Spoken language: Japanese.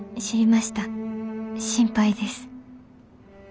心配です。